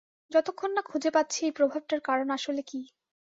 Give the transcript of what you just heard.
যতক্ষণ না খুঁজে পাচ্ছি এই প্রভাবটার কারণ আসলে কি।